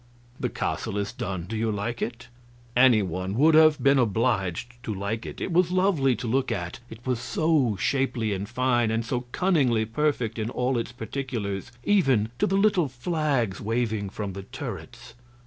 The castle is done. Do you like it?" Any one would have been obliged to like it. It was lovely to look at, it was so shapely and fine, and so cunningly perfect in all its particulars, even to the little flags waving from the turrets.